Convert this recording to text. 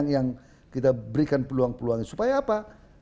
yang kita berikan peluang peluang supaya apa